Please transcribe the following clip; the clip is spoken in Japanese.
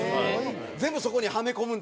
全部そこにはめ込むんだ？